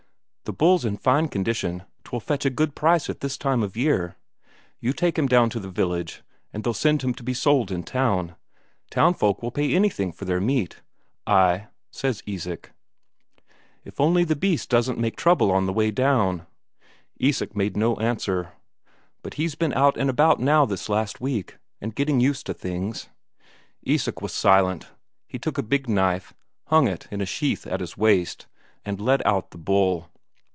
"The bull's in fine condition; 'twill fetch a good price at this time of year. You take him down to the village, and they'll send him to be sold in town townsfolk pay anything for their meat." "Ay," says Isak. "If only the beast doesn't make trouble on the way down." Isak made no answer. "But he's been out and about now this last week, and getting used to things." Isak was silent. He took a big knife, hung it in a sheath at his waist, and led out the bull.